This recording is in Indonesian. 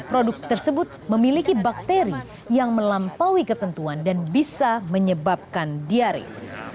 produk tersebut memiliki bakteri yang melampaui ketentuan dan bisa menyebabkan diare